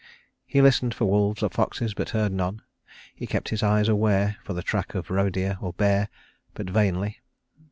He listened for wolves or foxes, but heard none; he kept his eyes aware for the track of roe deer or bear, but vainly.